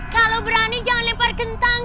kalau berani jangan lempar kentang